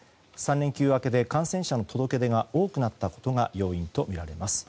３連休明けで感染者の届け出が多くなったことが要因とみられます。